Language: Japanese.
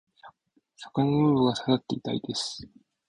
魚の骨が喉に刺さって痛いです。